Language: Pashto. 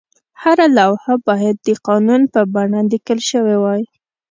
هره لوحه باید د قانون په بڼه لیکل شوې وای.